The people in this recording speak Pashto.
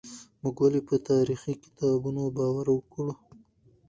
موږ ولې په تاريخي کتابونو باور وکړو؟